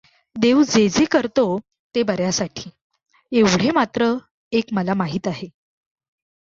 देव जे जे करतो ते बऱ्यासाठी, एवढे मात्र एक मला माहीत आहे.